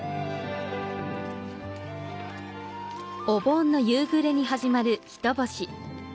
お盆の夕暮れに始まる火とぼし。